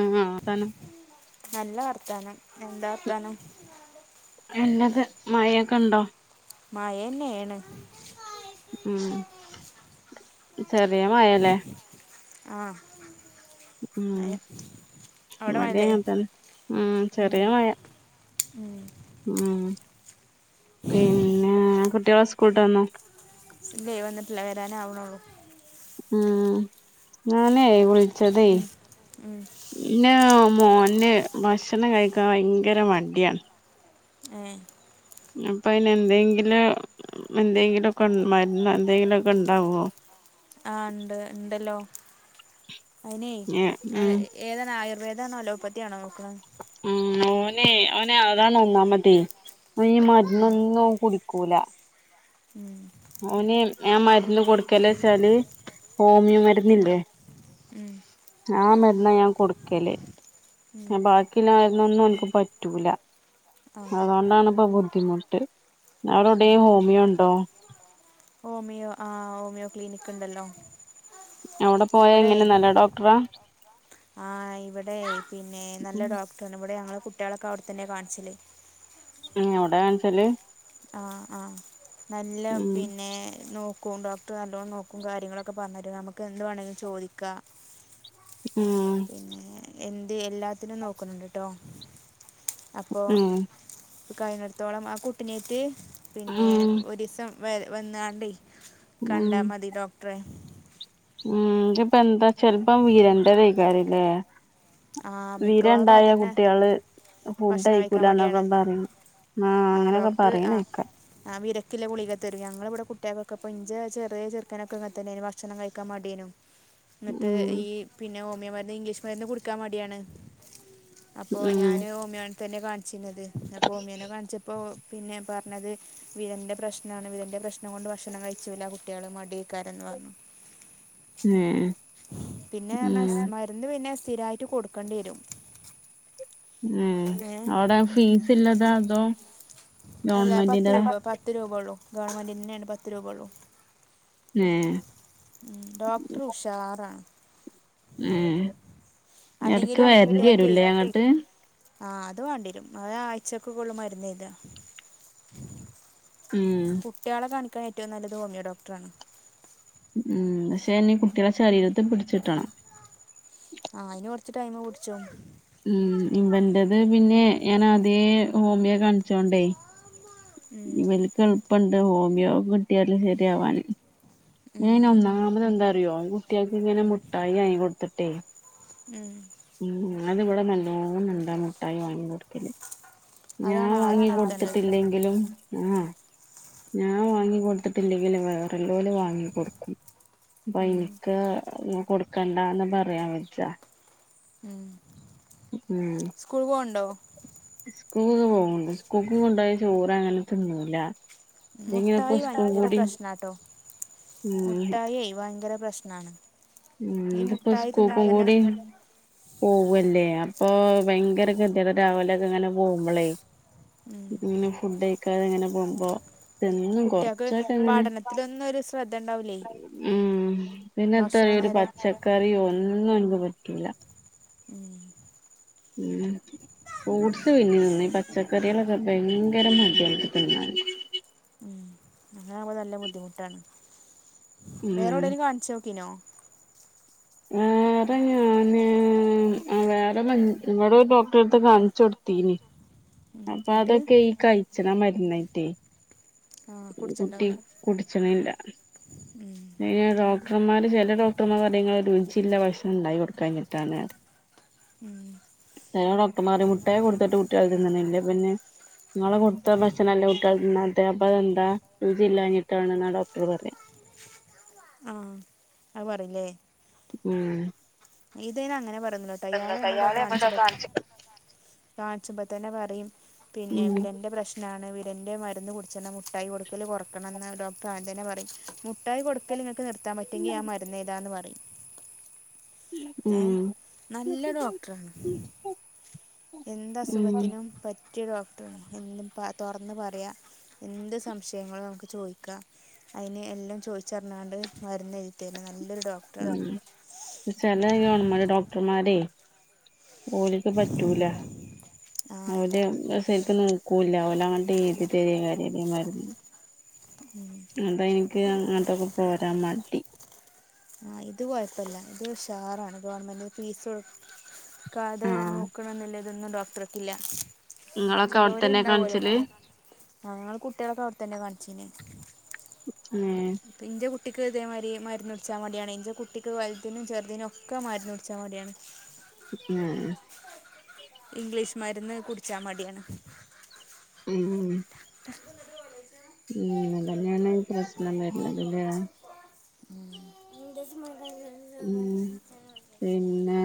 ആഹ് ആഹ് താനും നല്ല വർത്താനം എന്താ വർത്താനം എല്ലത് മഴൊക്കെ ഉണ്ടോ മായന്നെയാണ് ഉം ചെറിയേ മയലേ ആഹ് ഉം അയ അവിടെ ഇവിടെ ആയല്ലേ അങ്ങനെ തന്നെ ഉം ചെറിയ മഴ ഉം പിന്നെ കുട്ടികളെ സ്കൂളട്ട് വന്നോ ഇല്ലേ വന്നിട്ടില്ല വരാനവണള്ളൂ ഉം ഞാനേ വിളിച്ചതെ ഉം. ഉം. ഇന്റെ മോന് ഭക്ഷണം കഴിക്കാൻ ഭയങ്കര മടിയാണ് ഏഹ് അപ്പ അയിന് എന്തെങ്കിലും എന്തെങ്കിലുംക്കെ മരന്ന് എന്തെങ്കിലുംക്കെ ഉണ്ടാവോ ആഹ് ഉണ്ട് ഉണ്ടല്ലോ അയ്നേ ഉം ഏതാണ് ആയുർവേദാണോ അലോപ്പത്തി ആണോ നോക്കുന്നത് ഉം ഓനെ ഓനെ താണ് ഒന്നാമതെ ഓന് ഈ ഉം. മരുന്നൊന്നും ഓൻ കുടിക്കൂല ഉം ഓന് ആ മരുന്ന് കൊടുക്കല്ച്ചാല് ഹോമിയോ മരുന്നില്ലേ ഉം ആ മരുന്ന ഞാൻ കൊടുക്കല് ഉം. ബാക്കിള്ള മരുന്നൊന്നും ഒന്ന്ക്ക് പറ്റൂല ആ അതുകൊണ്ടാണ് ഇപ്പോ ബുദ്ധിമുട്ട് വേറെ ഉം. എവിടേം ഹോമിയ ഉണ്ടോ ഓമിയോ ആ ഹോമിയോ ക്ലിനിക്ക്‌ ഉണ്ടല്ലോ അവിടെ പോയാ എങ്ങനെ നല്ല ഡോക്ടറാ ആഹ് ഇവിടെ പിന്നെ നല്ല ഡോക്ടറണ് ഇവിടെ ഞങ്ങളെ കുട്ടികളൊക്കെ അവിടെത്തന്നെ കാണിച്ചല് ഏ അവടെയാകാണിച്ചല് ആഹ് ആഹ് നല്ല ഉം പിന്നെ നോ ക്കും ഡോക്ടർ നല്ലോ നോക്കും കാര്യങ്ങളൊക്കെ പറഞ്ഞു തരും നമുക്ക്‌ എന്ത് വേണമെങ്കിലും ചോദിക്കാം ഉം പിന്നെ എന്ത് എല്ലാത്തിനും നോക്കുന്നുണ്ട് ട്ടോ അപ്പോ ഉം കഴിഞ്ഞിടത്തോളം ആ കുട്ടിനേറ്റ് പിന്നെ ഉം ഒരുസം വ വന്നാണ്ടേ ഉം കണ്ടാമതി ഡോക്ടറെ ഉം ഇതപ്പ ന്താ ചിൽപ്പം വിരണ്ട തയ്കാര ലേ ആ മിക്കവാറും വീരണ്ടായ അതന്നെ കുട്ടികള് ഫുഡ് ഭക്ഷണം കഴിക്കാൻ കയ്യിക്കുലാന പാ മടിയാണ് പറയുന്ന ആഹ് ആ അങ്ങനെയൊക്കെ ഡോക്ടർ ആ പറയ്ണേക്ക ആ വിരക്കില്ല ഗുളിക തരും ഞങ്ങൾ ഇവിടെ കുട്ടികൾക്കൊക്കെ പ്പ ഇൻച ചെറിയ ചെറുക്കനൊക്കെ ങ്ങെ തന്നെനു ഭക്ഷണം കഴിക്കാൻ മടിയനു എന്നിട്ട് ഉം ഈ പിന്നെ ഹോമിയോ മരുന്ന് ഇംഗ്ലീഷ് മരുന്ന് കൊടുക്കാൻ വേണ്ടിയാണ് അപ്പോൾ ഉം ഞാന് ഓമിയോനെ തന്നെ കാണിച്ചിരുന്നത് അപ്പോൾ ഓമിയോനെ കാണിച്ചപ്പോൾ പിന്നെ പറഞ്ഞത് വിരന്റെ പ്രശ്നമാണ് വിരന്റെ പ്രശ്നം കൊണ്ട് ഭക്ഷണം കഴിച്ചില്ല കുട്ടികൾ മടിയിക്കാരന്ന് പറഞ്ഞു ഉം ഉം ഒന്ന് പിന്നെ സ്ഥിരായിട്ട് കൊടുക്കേണ്ടി വരും ഉം ഏ അവിടെ ഫീസ് ഇല്ലതാ അതോ അല്ല പത്ത് ഗവൺമെന്റിന്റെതാ രൂപ പത്ത് രൂപ ഉള്ളു ഗവൺമെന്റിന്റെയാണ് പത്ത് രൂപ ഉള്ളു ഉം ഉം ഡോക്ടർ ഉഷാറാണ് ഏ എടക്ക് അല്ലെങ്കിലും വരണ്ടി കുട്ടികൾക്കേ വരൂല്ലേ അങ്ങോട്ട് ആഹ് അത് വേണ്ടിരും അത് ആഴ്ചക്കൊകൊള്ള മരുന്ന എഴുതാ ഉം കുട്ടികളെ കാണിക്കാൻ ഏറ്റവും നല്ലത് ഹോമിയോഡോക്ടറാണ് ഉം പക്ഷേ എന്നീ കുട്ടികളുടെ ശരീരത്തി പിടിച്ചിട്ടണം ആഹ് അയ്ന് കുറച്ച് ടൈമ് കുടിച്ചോ ഉം ഇവന്റത് പിന്നെ ഞാനാദ്യേ ഹോമിയോ കാണിച്ചോണ്ടേ ഉം ഇവല്ക്ക് എളുപ്പണ്ട് ഹോമിയോ കിട്ടിയാല് ശരിയാവാന് ഞാന് ഉം ഒന്നാമത് എന്താറിയോ കുട്ടികൾക്ക് ഇങ്ങനെ മുട്ടായി വാങ്ങി കൊടുത്തിട്ടേ ഉം ഉം അതിവിടെ നല്ലോണുണ്ടാ മുട്ടായി വാങ്ങി കൊടുക്കല് ഞാൻ അതാണ് ആദ്യം വാങ്ങി നിർത്തേണ്ടത് കൊടുത്തിട്ടില്ലെ ങ്കിലും ആഹ് ഞാൻ വാങ്ങി കൊടുത്തിട്ടില്ലെങ്കിലും വെറുല്ലോല് വാ കൊടുക്കും അപ്പൊ ഉം എനിക്ക് കൊടുക്കണ്ടാന്ന് പറയാൻ പച്ച ഉം ഉം സ്കൂ പോവണ്ടോ സ്കൂ പോകുന്നുണ്ട് സ്കൂക്ക് കൊണ്ട ചോറ് അങ്ങനെ തിന്നൂല ഇതെങ്ങനെപ്പൊ മുട്ടായി സ്കൂൾ ഭയങ്കര കൂടി പ്രശ്നാട്ടോ ഉം മുട്ടായിയി ഭയങ്കര പ്രശ്നണ് ഉം ഇതിപ്പോ സ്കൂക്കുംകൂടി പോവല്ലേ അപ്പൊ ഭയങ്കര കതി കേടരാവിലൊക്കെ ഇങ്ങനെ പോകുമ്പോളേ ഉം ഇങ്ങനെ ഫുഡ് കഴിക്കാതെ ഇങ്ങനെ പോകുമ്പോ തിന്നും കുട്ടികൾക്ക് കൊറച്ചായിട്ട് അങ്ങനെ പഠനത്തിലൊന്നും ഒരു ശ്രദ്ധ ഉണ്ടാവൂലേ ഉ പിന്നെ ഭക്ഷണം ഒരു നേരെ പച്ചക്കറി യോ ഒന്നും എനിക്ക് പറ്റൂല്ല ഉം ഉ ഫൂട്സ് പിന്നെ തിന്ന് പച്ചക്കറികളൊക്കെ ഭയങ്കര മടിയാണ് തിന്നാണ് ഉ അങ്ങനെ ആവുമ്പോൾ നല്ല ബുദ്ധിമുട്ടാണ് വേറെ ഉം എവിടെേങ്കിലും കാണിച്ചു നോക്കീനോ വേറെ ഞാന് ഉ വേറെ ഇവിടെ ഡോക്ടറെ അടുത്ത് കാണിച്ചു കൊടുത്തീന് ഉം അപ്പൊ എന്നിട്ട് അതൊക്കെ ഈ കഴിച്ചന മരുന്നാ കിട്ടേ ആ കുട്ടി കുടിച്ചിണ്ടാവൂല കുടിച്ചണില്ല ഉം ഇനിയാ ഡോ ഡോക്ടർമാര് ചില ഡോക്ടർമാർ അയങ്ങ ഒരു രുചില്ല ഭക്ഷണം ഉണ്ടായി കൊടുക്കാഞ്ഞിട്ടാണ് ഉം ചെലേ ഡോക്ടർമാർ മുട്ടായി കൊടുത്തിട്ട് കുട്ടികൾ തിന്നണില്ലേ പിന്നെ നിങ്ങളെ ത്തെ ഭക്ഷണംല്ലേ കുട്ടികൾ തിന്നാത്തെ അപ്പൊ അതെന്താ രുജി ഇല്ലാഞ്ഞിട്ടാണ് ന്നാണ് ആ ഡോക്ടർ പറയാ ആഹ് അത് പറയില്ലേ ഉം ഇതെ അങ്ങനെ പറഞ്ഞന്നു കേട്ടോ ഇയാളെ എന്നിട്ട് നമ്മളുടെക്കെ അയാളെ കാണിച്ച എവിടെ കാണിച്ച് കാണിച്ചുമ്പ തന്നെ പറയും പിന്നെ ഉം വിടന്റെ പ്രശ്നം നാണ് വീടൻ്റെ മരുന്ന് കുടിച്ചു മുമയി കൊടുക്കൽ കുറക്കണംമെന്ന് ഡോക്ടർ ആൻ തനെ പറയും മുട്ടായി കൊടുക്കൽ നിങ്ങൾക്ക് നിർ ത്താൻ പറ്റെങ്ക ഞാൻ മരുന്ന് എഴുതാം എന്ന് പറയും ഉം ഏഹ് നല്ല ഡോക്ടറാണ് എന്ത്‌ ഉം അസുഖത്തിനും പ റ്റിയ ഡോക്ടർ ആണ് എന്തും പ തൊറന്ന് പറയാം എന്ത് സംശയങ്ങളും നമുക്ക് ചോയിക്കാം അതിന് എല്ലാം ചോദിച്ചറിഞ്ഞാണ്ട് മരുന്ന് എഴുതി തരും നല്ലൊരു ഡോ ഡോക്ടറാചെല ഈ ഗവൺമെന്റ് ഡോക്ടർമാരേ ഓലക്ക് പറ്റൂല ആ ഓല് ശെരിക്കും നോ ക്കൂല്ലാ വല്ല അങ്ങ ഡെയിലി ചെറിയ മരുന്ന് [unintelligible] ഉം അതാ എനിക്ക് അങ്ങനത്തൊക്കെ പോരാൻ മടി ആഹ് ഇത് കൊഴപ്പല്ല ഇത് ഉഷാറാണ് ഗവണ്മെന്റ് ഫീസ് ക്കാതെ ആഹ് നോക്കണന്നില്ല ഇതൊന്നും ഡോക്ടർക്കില്ല നിങ്ങളൊക്കെ ചെലോര് അവിടെത്തന്നെ ഇണ്ടാവുവലോ കാണിച്ചല് ഞങ്ങൾ കുട്ടികളൊക്കെ അവിടെത്തന്നെയാ കാണിച്ചീനെ ഏഹ് എന്റെ കുട്ടിക്ക് ഇതേമാതിരി മരുന്ന് കുടിച്ചാൻ മടിയാണ് എന്റെ കുട്ടിക്ക് വലുതിനും ചെറുതിനും ഒക്കെ മരുന്ന് കുടിച്ചാൻ മടിയാണ് [unintelligible] ഇംഗ്ലീഷ് മരുന്ന് കുടിച്ചാൻ മടിയാണ് ഉം ഉം അങ്ങനെ തന്നെയാണ് ഈ പ്രശ്നം വരുന്നതല്ലേ ഉം ഉം പിന്നെ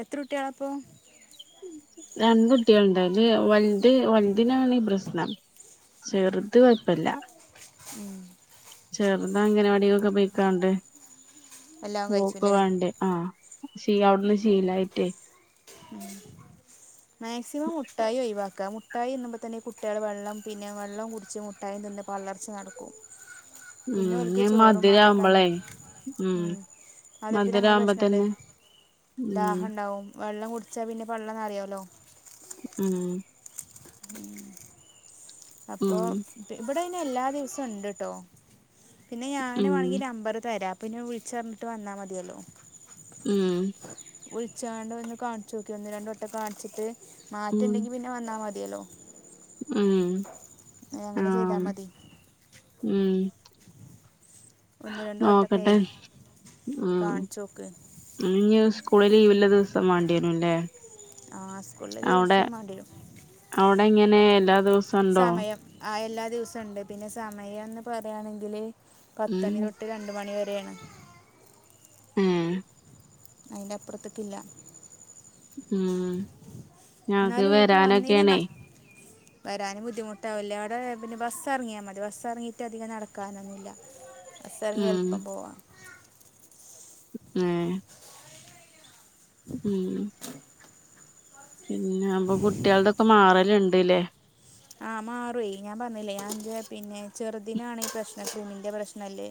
എത്ര കുട്ട്യാളാ അപ്പം? രണ്ട് കുട്ടികൾ ഇണ്ട് അയില് വൽത് വൽതിനാണ് ഈ പ്രശ്നം ചെറ്ത് കൊഴപ്പല്ല ചെർത് അംഗന വാടിലൊക്കെ പൊയ്ക്കാണ്ട് എല്ലാം കഴിച്ചു അല്ലേ [unintelligible] ആഹ് ചീ അവിടുന്ന് ശീലായിട്ടേ ഉം മാക്സിമം മുട്ടായി ഒയിവാക്ക മുട്ടായി തിന്നുമ്പം തന്നെ ഈ കുട്ട്യാള് വെള്ളം പിന്നെ വെള്ളം കുടിച്ച് മുട്ടായിം തിന്ന് വളർച്ച നടക്കും ഉം പിന്നെ ഒൽക്ക് ഇനി ചോറും മാണ്ട മധുരാവുമ്പളേ കഞ്ഞീം ഉം മധുരത്തിന് അങ്ങനെ മധുരാവുമ്പ പ്രശ്നണ്ട് തന്നെ ഉം ദാഹം ഇണ്ടാവും വെള്ളം കുടിച്ചാ പിന്നെ പള്ള നെറയോല്ലോ ഉം അപ്പോ ഉം ഇവടെ അയിന് എല്ലാ ദിവസവും ഉണ്ട്ട്ടോ പിന്നെ ഞാന് ഉം വാണെങ്കി നമ്പറ് തരാ പിന്നെ വിളിച്ച് പർഞ്ഞിട്ട് വന്നാ മതിയല്ലോ ഉം വിൾച്ചാണ്ട് ഒന്ന് കാണിച്ചു നോക്ക്‌ ഒന്ന്, രണ്ട് വട്ടം കാണിച്ചിട്ട് ഉം മാറ്റണ്ടെങ്കി പിന്നെ വന്നാ മതിയല്ലോ ഉം ഏ, അങ്ങനെ ആഹ് ചെയ്താൽ മതി ഉം ഒന്ന് രണ്ട് വട്ടമൊക്കെ നോക്കട്ടെ ഉം കാണിച്ചു നോക്ക് ഉം സ്കൂള് ലീവ്ല്ലേ ദിവസം വാണ്ടിവേരുംല്ലേ? ആഹ് സ്കൂള്ള്ളെ ദിവസം മാണ്ടിരും ഔടെ എങ്ങനെ എല്ലാ ദിവസം സമയം ആഹ് എല്ലാ ദിവസവും ഇണ്ട് പിന്നെ സമയംന്ന് പറയാണെങ്കില് പത്ത് ഉം അണി തൊട്ട് രണ്ട് മണി വരെണ് ഏഹ് അയ്ന് അപ്പൊർത്ത്ക്കില്ല ഉം ഞാഅത് എന്നാലും നിങ്ങൾക്ക് വന്നതിന് വരാനൊക്കെണേ നഷ്- വരാനും ബുദ്ധിമുട്ടാവില്ല അവിടേ പിന്നെ ബസ്സ് എർങ്ങിയാ മതി ബസ്സ് എറങ്ങീട്ട് അധികം നടക്കാനൊന്നും ഇല്ല ബസ് എർങ്ങി ഉം എൾപ്പം പോവാ ഏഹ് മ് പിന്നെ അപ്പൊ കുട്ട്യാൾതൊക്കെ മാറല്ണ്ട്ലെ ആഹ് മാറൊയ് ഞാൻ പർഞ്ഞിലെ ഞാൻറ്റെ പിന്നെ ചെറുദിനാണീ പ്രശ്നം ത തുണിൻ്റെ പ്രശ്നല്ലേ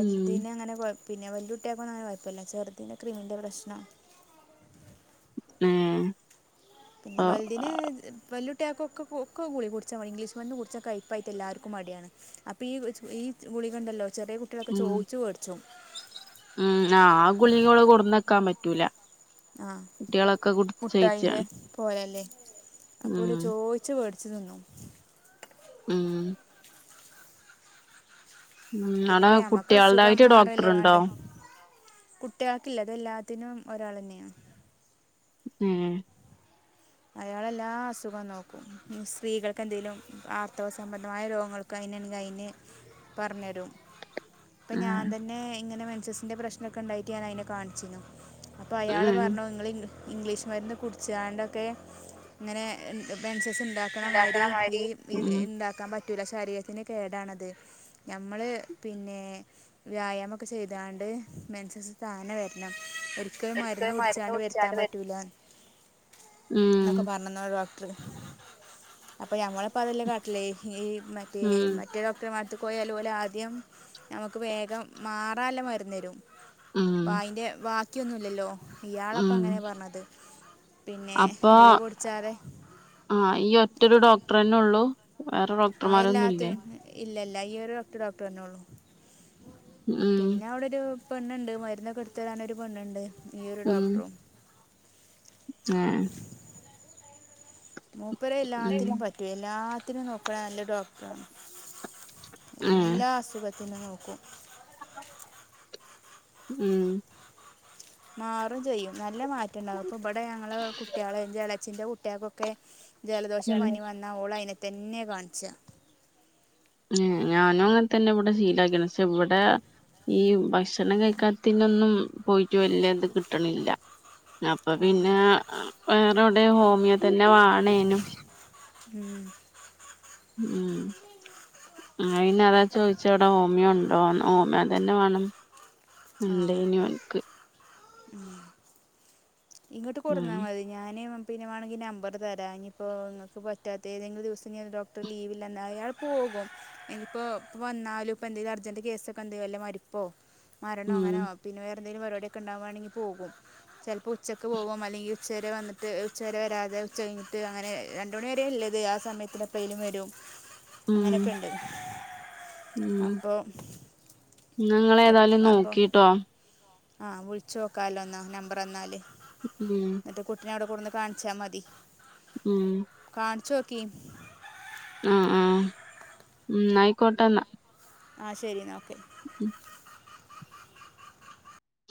ഉം അങ്ങനെ കൊ പിന്നെ വെല്ല്യേ കുട്ട്യാക്കൊന്നും അങ്ങൻത്തെ കൊയപ്പല്ല ചെർതിന് ക്രിമിൻ്റെ പ്രശ്നം ഏഹ് പിന്നെ വൽ തിന് വല്ല്യാട്ടാക്കോക്കെ പൊവ്ക്ക ഗുളിക കൊടിച്ചാന് ഇംഗ്ലീഷ് മരുന്ന് കുടിച്ചാന് കൈപ്പായിട്ട് എല്ലാർക്കും മടിയാണ് അപ്പൊ ഈ ച് ഈ ഗുളികണ്ടല്ലോ ചെറിയ കുട്ടികളൊക്കെ ചോയ്ച്ച്‌ വേട്ച്ചും മ് ആഹ് ആഹ് ഗുളിക ഇവടെ കൊട്ന്നക്കാൻ പറ്റൂല ആഹ് കുട്ടികളൊക്കെ മുട്ടായിൻ്റെ കുടിച്ചേച്ചാണ് പോലല്ലേ ഉം അപ്പൊല് ചോയ്ച്ച് വേടിച്ച് തിന്നും മ് ഉം അവിടെ പിന്നെപ്പം ഞമ്മക്ക് അസുഖം കുട്ടികളുടായിട്ട് മാറല്ലേ ഡോക്ടറുണ്ടോ വാണ്ടേ കുട്ടിയാൾക്കില്ല തെല്ലാത്തിനും ഒരാളെന്നെണ് ഏഹ് അയാളെല്ലാസുഖം നോക്കും സ്ത്രീകൾക്കെന്തേലും ആർത്തവ സംബന്ധമായ രോഗങ്ങൾ കൈനൻ ഗൈന് പറഞ്ഞെരും ഇപ്പ ആ ഞാൻ തന്നെ ഇങ്ങനെ മെൻസസിന്റെ പ്രശ്നൊക്കെണ്ടായിട്ട് ഞാൻ അയിനെ കാണിച്ചീനു അപ്പൊ അയാള് ഉം പറഞ്ഞു ങ്ങള് ഇംഗ്ലീ ഇംഗ്ലീഷ് മരുന്ന് കുടിച്ചാണ്ടൊ ക്കെ ങ്ങെനെ ബെൻസസ് ണ്ടാക്ക്ണ മാരി ഉണ്ടാക്കണ ഇ മാതിരി ഇണ്ടാക്കാൻ പറ്റ് റ്റൂല ശരീരത്തിന് കേടാണത് ഞമ്മള് പിന്നെ വ്യായാമൊക്കെ ചെയ്താണ്ട് മെന്സസ് താനെ വരണം ഒര് കെ മരുന്ന് കുടിച്ചാണ്ട് വെരുത്താൻ പറ്റൂല്ല ഉം ന്നൊക്കെ പറഞ്ഞന്നോരു ഡോക്ടർ അപ്പയ് ഞമ്മളപ്പ അതല്ലേ കാട്ടില് ഈ മ തേ ഉം മറ്റേ ഡോക്ടർമാരെട്ത്കൊയാല് ഓലാദ്യം നമക്ക് വേഗം മാറല്ലെ മരുന്നെരും ഉം പ്പായിന്റെ ബാക്കിയൊന്നുല്ലല്ലോ ഇയാളപ്പ ഉം അങ്ങനെ പറഞ്ഞത് പിന്നെ ഗുളികുടിച്ചാതെ ആഹ് ഈ ഒറ്റൊരു ഡോക്ടറെന്നൊള്ളൂ വേറെ ഡോക്ടർമാരൊന്നുല്ലേ ഇല്ല ഇല്ല ഈ ഒരുക്റ്റ ഡോക്ടറെനോള്ളൂ ഉം പിന്നെ അവിടൊരു പെണ്ണ്ണ്ട് മരുന്നൊക്കെ ട്ത്ത തരാനൊരു പെണ്ണ്ണ്ട് ഈ യൊരു ഡോക്ടറും ഏഹ് മൂപ്പരെ എല്ലാത്തിനും ഉം പറ്റൂം എല്ലാത്തിനും നോക്ക്ണ നല്ലൊരു ഡോക്ടറണ് ഏ എല്ലാ അസുഖത്തിനും നോക്കും ഉം മാറും ചെയ്യും നല്ല മാറ്റണ്ടാവും ഇപ്പോ ബെടെ ഞങ്ങളെകുട്ടിയാളെ ഇഞ്ചെ എളചിൻ്റെ കുട്ടിയാക്കൊക്കെ ജലദോഷം ഉം പനിം വന്നാൽ ഓളയ്നതെന്നെ കാണിച്ചാ നേ ഞാനും അങ്ങനെ തന്നെ ബ്ടെ ശീലാകീക്ണ് ഷെ ഇബെടെ ഈ ഭക്ഷണം കഴിക്കാത്തിനൊന്നും പോയിട്ടു വല്ലൃത് കിട്ട്ണില്ല അപ്പൊ ആ പിന്നെ വേറെവിടെ ഹോമിയോ തന്നെ വണേനും ഉം ഉം ആയിനതാ ചോദിച്ചവ്ടെ ഓമിയൊ ണ്ടോന്ന് ഓമിയൊ തെന്നെ വാണം ആഹ് അഹ് ഇങ്ങട്ട് ഉം കൊടുന്നാ മതി ഞാൻ പിന്നെ വണെങ്കിൽ നമ്പർ തരാ ഇനിപ്പോ ങ്ങക്ക് പറ്റാത്തെ തെങ്കിലും ദിവസം ഞാൻ ഡോക് പൊലീവില്ലന്നാ അയാൾ പോകും ഇപ്പൊ വന്നാലും പ്പന്തേലും അർജന്റ് കേസൊക്കെ ന്തെങ്കി വല്ല മരിപ്പ് പ്പോ മരണോ ഉം അങ്ങനൊ പിന്നെ വേറെന്തെങ്കിലും മരിപടിയൊക്കെ ണ്ടാവാണെങ്കിൽ പോകും ചെലപ്പോ ഉച്ച് ഉച്ചക്ക് പോകും അല്ലെങ്കി ഉച്ചവരെ വന്നിട്ട് ഉച്ചവരെ വരാതെ ഉച്ച കഴിഞ്ഞിട്ട് അങ്ങനെ രണ്ട് മണി വരേ ല്ലത് ആ സമയത്തി പെയിനും വരും [inaudible] അങ്ങനൊക്കെണ്ട് ഉം അപ്പൊ എ നിങ്ങളേതായാലും അപ്പൊ നോക്കിട്ടോ ആഹ് വിളിച്ചോക്കാലോ എന്ന നമ്പർ തന്നാല് ഉം കുട്ടിനെ അവിടെ കൂടന്ന് കാണിച്ചാതി ഉം കാണിച്ചോക്കി ആഹ് ഉം ഉം ന്നായിക്കോട്ടെന്നാ ആഹ് ശരിന്ന ഓക്കെ ഉം